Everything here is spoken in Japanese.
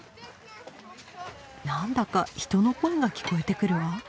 何だか人の声が聞こえてくるわ。